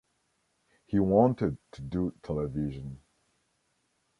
He wanted to do television.